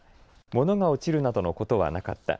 物が落ちるなどのことはなかった。